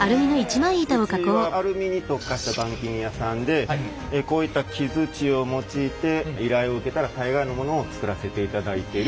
うちはアルミに特化した板金屋さんでこういった木づちを用いて依頼を受けたら大概のものを作らせていただいてる。